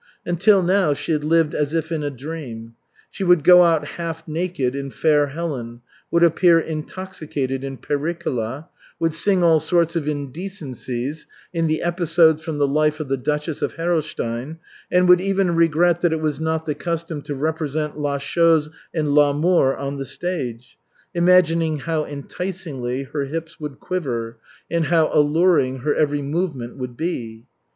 Until now she had lived as if in a dream. She would go out half naked in Fair Helen, would appear intoxicated in Pericola, would sing all sorts of indecencies in the Episodes from the Life of the Duchess of Herolstein, and would even regret that it was not the custom to represent la chose and l'amour on the stage, imagining how enticingly her hips would quiver and how alluring her every movement would be.